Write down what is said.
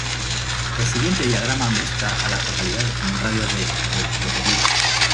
El siguiente diagrama muestra a las localidades en un radio de de Waterloo.